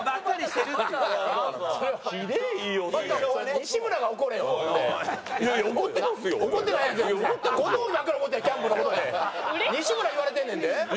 西村が言われてるねんで？